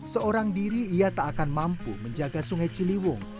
seorang diri ia tak akan mampu menjaga sungai ciliwung